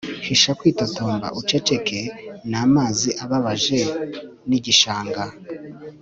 Hisha kwitotomba ucecetse ni amazi ababaje nigishanga